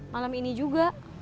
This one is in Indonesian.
malam ini juga